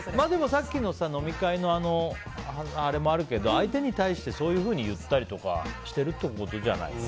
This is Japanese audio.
さっきの飲み会のあれもあるけど、相手に対してそういうふうに言ったりとかしてるってことじゃない。